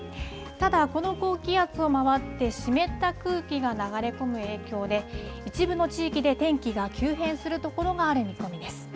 ただ、この高気圧を回って湿った空気が流れ込む影響で、一部の地域で天気が急変する所がある見込みです。